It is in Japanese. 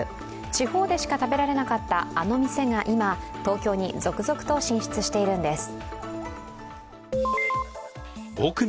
地方でしか食べられなかった、あの店が今、東京に続々と進出しているんです。